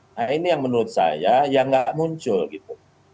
nah ini yang menurut saya yang nggak muncul gitu